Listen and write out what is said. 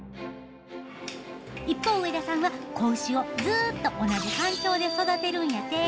一方上田さんは子牛をずっと同じ環境で育てるんやて。